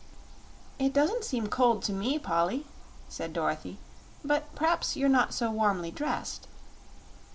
"It doesn't seem cold to me, Polly," said Dorothy; "but perhaps you're not warmly dressed."